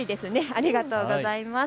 ありがとうございます。